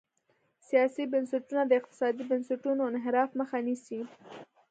سیاسي بنسټونه د اقتصادي بنسټونو انحراف مخه نیسي.